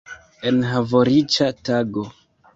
Enhavoriĉa tago!